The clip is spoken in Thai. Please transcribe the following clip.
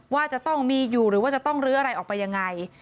ว่าจะต้องมีอยู่หรือว่าจะต้องลื้ออะไรออกไปยังไง